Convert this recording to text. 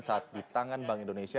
saat di tangan bank indonesia